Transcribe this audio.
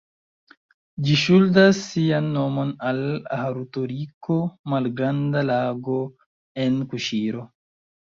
Ĝi ŝuldas sian nomon al "Harutori-ko", malgranda lago en Kuŝiro.